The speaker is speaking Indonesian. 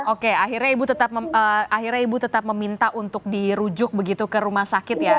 oke akhirnya ibu tetap akhirnya ibu tetap meminta untuk dirujuk begitu ke rumah sakit ya